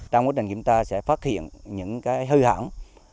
trong quá trình chúng ta sẽ phát hiện những hư hỏng